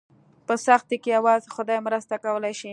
په سختۍ کې یوازې خدای مرسته کولی شي.